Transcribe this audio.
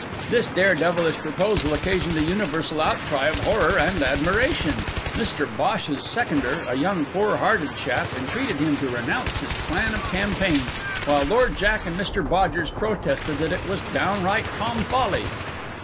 This dare devilish proposal occasioned a universal outcry of horror and admiration; Mr Bhosh's seconder, a young poor hearted chap, entreated him to renounce his plan of campaign, while Lord Jack and Mr Bodgers protested that it was downright tomfolly.